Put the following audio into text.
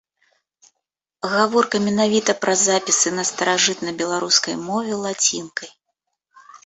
Гаворка менавіта пра запісы на старажытнабеларускай мове лацінкай.